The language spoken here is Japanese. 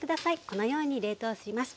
このように冷凍します。